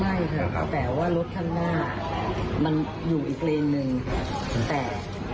มัยค่ะแต่ทว่ารถข้างหน้ามันอยู่อีกเรนท์นึงครับ